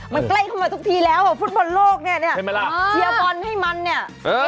มันใกล้เข้ามาทุกทีแล้วอ่ะฟุตบอลโลกเนี่ยเนี่ยใช่ไหมล่ะเชียร์บอลให้มันเนี่ยเออ